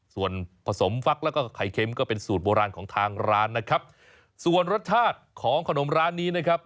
ส่วนผสมฟักแล้วก็ไข่เค็มก็เป็นสูตรโบราณของทางร้านนะครับส่วนรสชาติของขนมร้านนี้นะครับ